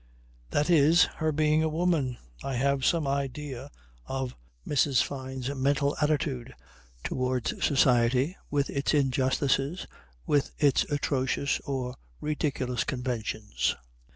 "That is her being a woman. I have some idea of Mrs. Fyne's mental attitude towards society with its injustices, with its atrocious or ridiculous conventions.